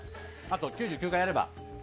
あと９９回やれば。